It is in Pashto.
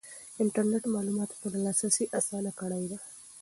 انټرنیټ معلوماتو ته لاسرسی اسانه کړی دی.